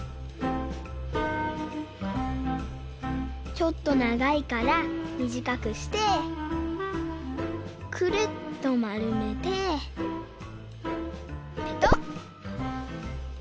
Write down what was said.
ちょっとながいからみじかくしてくるっとまるめてペトッ！